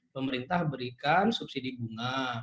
pemerintah berikan subsidi bunga